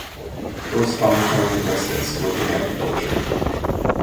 Most Bang Chang residents work in agriculture.